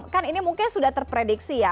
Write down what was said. kan ini mungkin sudah terprediksi ya